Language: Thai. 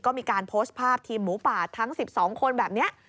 ก็มีการโพสต์ภาพทีมหมูป่าทั้ง๑๒คนแบบนี้